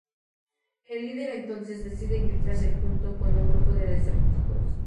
El líder entonces, decide ir tras el junto con un grupo de decepticons.